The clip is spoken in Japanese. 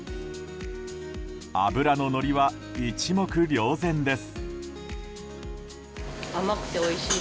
脂ののりは一目瞭然です。